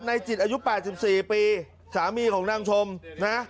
นายจิตอายุแปดสิบสี่ปีสามีของนางชมนะ